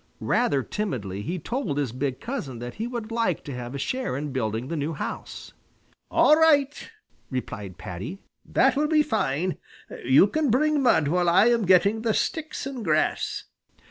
Rather timidly he told his big cousin that he would like to have a share in building the new house. "All right," replied Paddy, "that will be fine. You can bring mud while I am getting the sticks and grass."